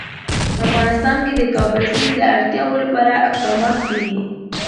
افغانستان کې د کابل سیند د اړتیاوو لپاره اقدامات کېږي.